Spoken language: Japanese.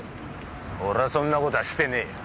俺はそんなことしてねえよ。